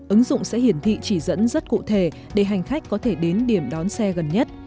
ứng dụng sẽ hiển thị chỉ dẫn rất cụ thể để hành khách có thể đến điểm đón xe gần nhất